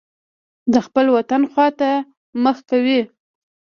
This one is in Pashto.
د خپل وطن خوا ته مخه کوي.